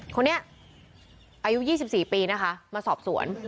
คนนี้อายุ๒๔ปีนะคะมาสอบสวน